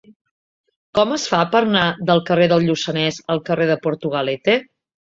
Com es fa per anar del carrer del Lluçanès al carrer de Portugalete?